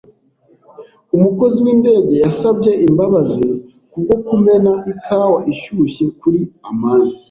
Umukozi windege yasabye imbabazi kubwo kumena ikawa ishyushye kuri amani.